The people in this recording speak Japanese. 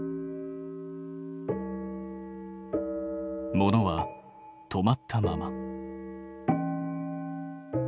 物は止まったまま。